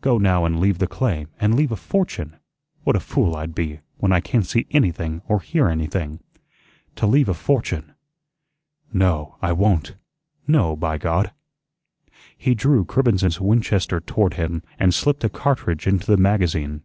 "Go now and leave the claim, and leave a fortune! What a fool I'd be, when I can't see anything or hear anything. To leave a fortune! No, I won't. No, by God!" He drew Cribbens's Winchester toward him and slipped a cartridge into the magazine.